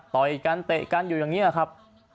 ต่อยกันเตะกันอยู่อย่างนี้ครับ